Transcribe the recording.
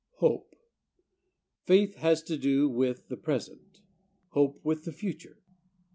Hope. Faith has to do with the pres ent, hope with the future.